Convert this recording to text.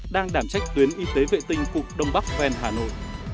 đang đảm trách tuyến y tế vệ tinh phục đông bắc ven hà nội